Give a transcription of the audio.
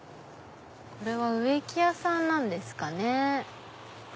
これは植木屋さんなんですかね？